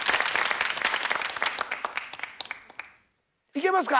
いけますか？